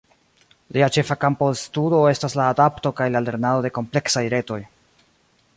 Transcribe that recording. Lia ĉefa kampo de studo estas la adapto kaj la lernado de kompleksaj retoj.